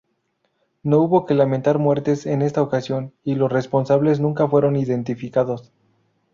No hubo que lamentar muertes en esta ocasión y los responsables nunca fueron identificados.